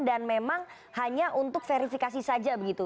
dan memang hanya untuk verifikasi saja begitu